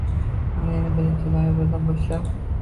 Mana endi, birinchi noyabrdan boshlab